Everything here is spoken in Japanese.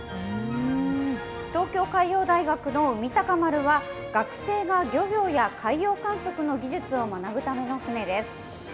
東京海洋大学の海鷹丸は、学生が漁業や海洋観測の技術を学ぶための船です。